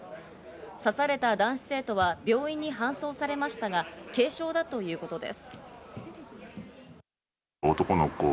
刺された男子生徒は病院に搬送されましたが軽傷だということです。